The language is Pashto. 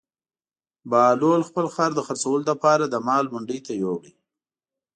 بهلول خپل خر د خرڅولو لپاره د مال منډي ته یووړ.